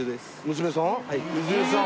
娘さん？